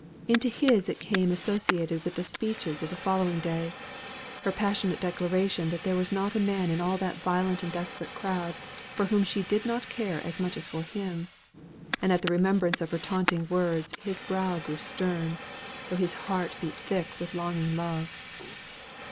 Into his it came associated with the speeches of the following day; her passionate declaration that there was not a man in all that violent and a desperate crowd, for whom she did not care as much as for him. And at the remembrance of her taunting words, his brow grew stern, though his heart beat thick with longing love.